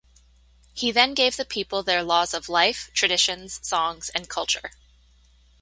He then gave the people their laws of life, traditions, songs, and culture.